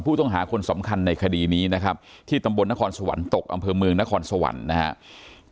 ผู้ต้องหาคนสำคัญในคดีนี้นะครับที่ตำบลนครสวรรค์ตกอำเภอเมืองนครสวรรค์นะครับ